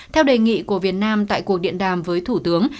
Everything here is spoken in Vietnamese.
theo đề nghị của việt nam tại cuộc điện đàm với thủ tướng